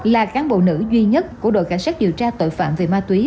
là cán bộ nữ duy nhất của đội cảnh sát điều tra tội phạm về ma túy